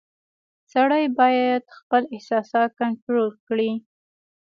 • سړی باید خپل احساسات کنټرول کړي.